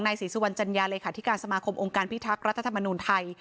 ศรีสุวรรณจัญญาเลขาธิการสมาคมองค์การพิทักษ์รัฐธรรมนูลไทย